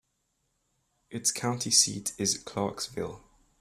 Its county seat is Clarksville.